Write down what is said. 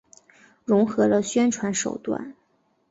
融合了宣传手段。